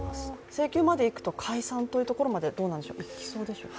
請求までいくと解散というところまでいきそうでしょうか。